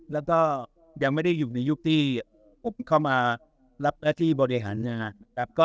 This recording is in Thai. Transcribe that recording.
แล้วก็ยังไม่ได้อยู่ในยุคที่เขามารับแรกที่บริหาร